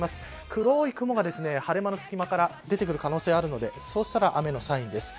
黒い雲が、晴れ間の隙間から出てくる可能性があるのでそうしたら雨のサインです。